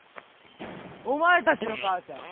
お前たちの母ちゃん